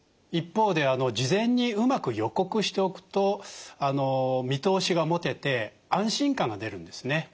一方で事前にうまく予告しておくと見通しが持てて安心感が出るんですね。